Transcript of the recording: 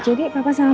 jadi papa sama mama